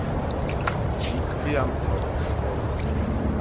იქვე ამთავრებს სკოლას.